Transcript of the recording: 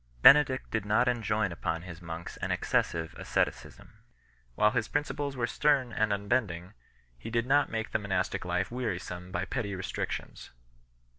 Benedict did not enjoin upon his monks an excessive asceticism. While his prin Discipline and Life of the Church. 365 ciples were stern and unbending, he did not make the monastic life wearisome by petty restrictions.